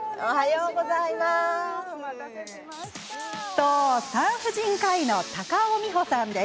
そう、産婦人科医の高尾美穂さん。